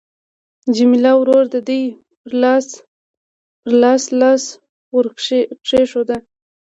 جميله ورو د دې پر لاس لاس ورکښېښود.